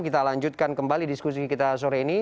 kita lanjutkan kembali diskusi kita sore ini